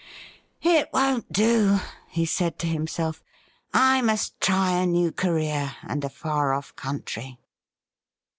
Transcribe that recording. ' It won't do,' he said to himself. ' I must try a new career and a far off' country.'